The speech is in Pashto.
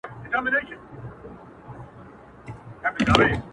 د ایوب تر لوند ګرېوانه -